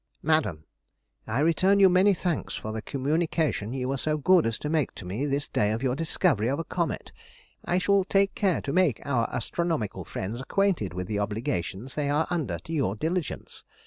MADAM,— I return you many thanks for the communication you were so good as to make to me this day of your discovery of a comet. I shall take care to make our astronomical friends acquainted with the obligations they are under to your diligence.